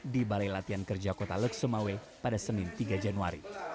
di balai latihan kerja kota leksumawe pada senin tiga januari